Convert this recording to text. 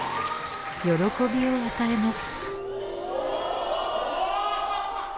喜びを与えます。